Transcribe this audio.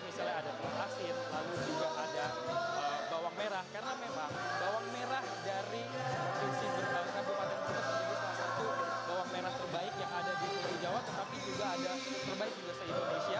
misalnya ada telur asin lalu juga ada bawang merah karena memang bawang merah dari provinsi kabupaten brebes menjadi salah satu bawang merah terbaik yang ada di provinsi jawa tengah tapi juga ada terbaik di luar negara indonesia